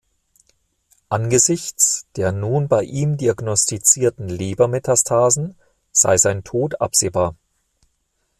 Angesichts der nun bei ihm diagnostizierten Leber-Metastasen sei sein Tod absehbar.